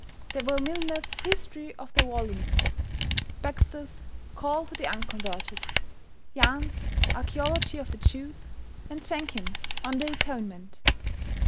There were Milners' "History of the Waldenses," Baxter's "Call to the Unconverted," Yahn's "Archaeology of the Jews," and Jenkyns' "On the Atonement."